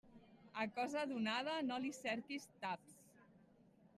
A cosa donada no li cerquis taps.